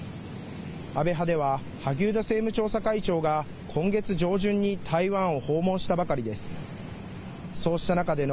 安倍派では萩生田政務調査会長が今月上旬に台湾を訪問したばかりです。